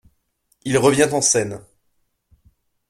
Il revient en scène.